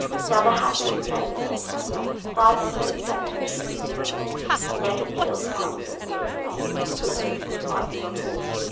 Now there had been slain of them that day five and thirty men of the chiefest Emirs, and they had killed thousands of the Infidels, footmen and fighters on horse.